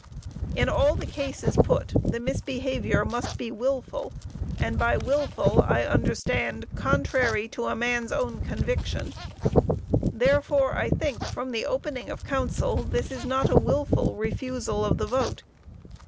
"In all the cases put, the misbehavior must be wilful and by wilful I understand contrary to a man's own conviction. Therefore I think from the opening of counsel, this is not a wilful refusal of the vote....